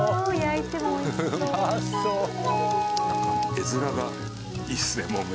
絵面がいいっすねもう。